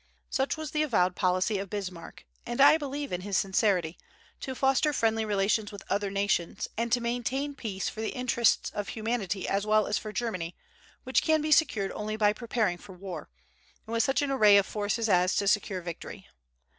Such was the avowed policy of Bismarck, and I believe in his sincerity, to foster friendly relations with other nations, and to maintain peace for the interests of humanity as well as for Germany, which can be secured only by preparing for war, and with such an array of forces as to secure victory.